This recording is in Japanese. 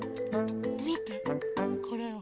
みてこれを。